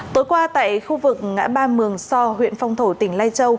tối qua tại khu vực ngã ba mường so huyện phong thổ tỉnh lai châu